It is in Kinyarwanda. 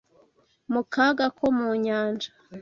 mu kaga ko mu nyanja